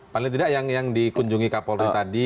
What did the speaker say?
paling tidak yang dikunjungi kapolri tadi